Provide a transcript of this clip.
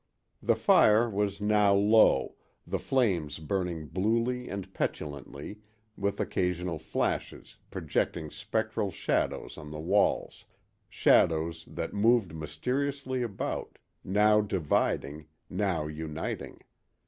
The fire was now low, the flames burning bluely and petulantly, with occasional flashes, projecting spectral shadows on the walls—shadows that moved mysteriously about, now dividing, now uniting.